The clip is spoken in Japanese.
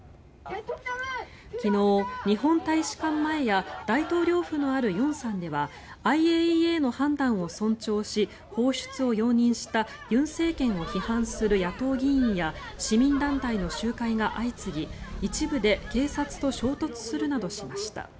昨日、日本大使館前や大統領府のある龍山ではＩＡＥＡの判断を尊重し放出を容認した尹政権を批判する野党議員や市民団体の集会が相次ぎ一部で警察と衝突するなどしました。